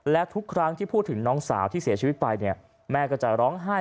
และทุกครั้งที่พูดถึงน้องสาวที่เสียชีวิตไปเนี่ยแม่ก็จะร้องไห้